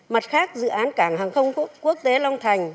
mặt khác dự án cảng hàng không quốc tế long thành